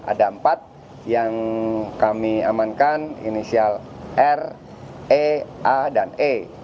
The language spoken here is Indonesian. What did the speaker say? ada empat yang kami amankan inisial r e a dan e